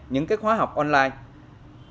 những khóa học online